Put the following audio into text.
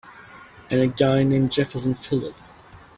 And a guy named Jefferson Phillip.